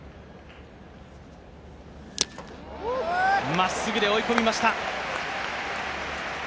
まっすぐで追い込みました。